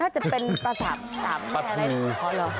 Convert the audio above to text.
น่าจะเป็นปลาสามสามแม่แหละ